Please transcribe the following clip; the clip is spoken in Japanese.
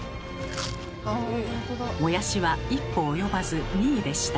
モヤシは一歩及ばず２位でした。